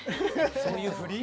そういう振り？